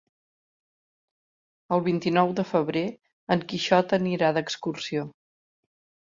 El vint-i-nou de febrer en Quixot anirà d'excursió.